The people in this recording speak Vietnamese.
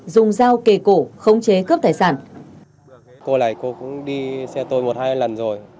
dùng dao kề cổ khống chế cướp tài sản